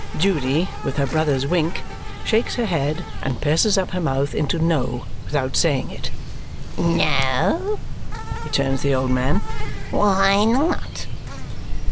Judy, with her brother's wink, shakes her head and purses up her mouth into no without saying it. "No?" returns the old man. "Why not?"